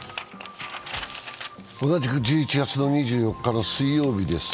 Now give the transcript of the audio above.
同じく１１月２４日の水曜日です。